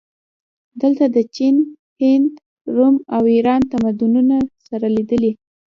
دلته د چین، هند، روم او ایران تمدنونه سره لیدلي